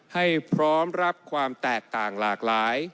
ให้พร้อมรับความแตกต่างหลากหลาย